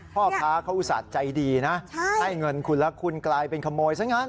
พ่อค้าเขาอุตส่าห์ใจดีนะให้เงินคุณแล้วคุณกลายเป็นขโมยซะงั้น